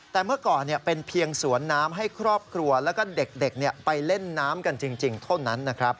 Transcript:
แต่เมื่อก่อนเป็นเพียงสวนน้ำให้ครอบครัวแล้วก็เด็กไปเล่นน้ำกันจริงเท่านั้นนะครับ